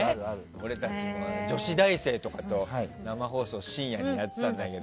俺たち女子大生とかと生放送を深夜にやっていたじゃん。